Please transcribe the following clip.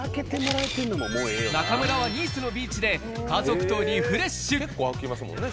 中村はニースのビーチで家族とリフレッシュ。